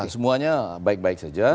semuanya baik baik saja